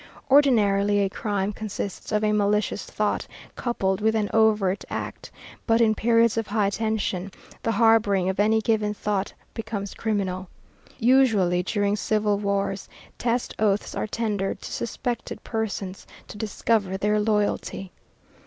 Ordinarily, a crime consists of a malicious thought coupled with an overt act, but in periods of high tension, the harboring of any given thought becomes criminal. Usually during civil wars test oaths are tendered to suspected persons to discover their loyalty.